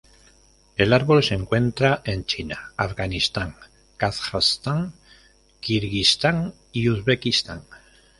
El árbol se encuentra en China, Afganistán, Kazajstán, Kirguistán y Uzbekistán.